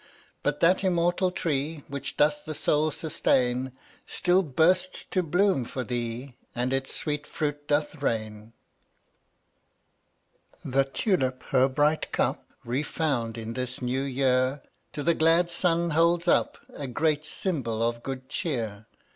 But that immortal Tree Which doth the soul sustain Still bursts to bloom for thee, And its sweet fruit doth rain. 1 02 The tulip her bright cup — Refound in this new year — To the glad sun holds up A great symbol of good cheer.